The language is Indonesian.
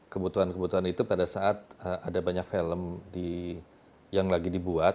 kebutuhan kebutuhan itu pada saat ada banyak film yang lagi dibuat